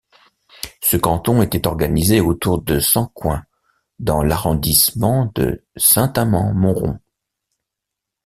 Ce canton était organisé autour de Sancoins dans l'arrondissement de Saint-Amand-Montrond.